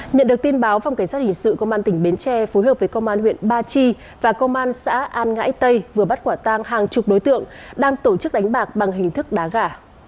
nhận được tin báo phòng cảnh sát hình sự công an tỉnh bến tre phối hợp với công an huyện ba chi và công an xã an ngãi tây vừa bắt quả tang hàng chục đối tượng đang tổ chức đánh bạc bằng hình thức đá gà